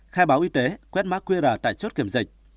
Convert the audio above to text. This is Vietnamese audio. khai báo y tế quét mã qr tại chốt kiểm dịch